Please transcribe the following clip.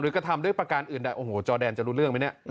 หรือกระทำด้วยประการอื่น